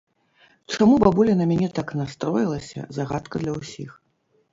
Чаму бабуля на мяне так настроілася, загадка для ўсіх.